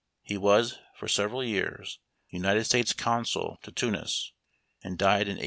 He was for several years United States Consul to Tunis, and died in 1852.